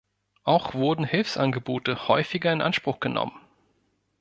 Auch wurden Hilfsangebote häufiger in Anspruch genommen.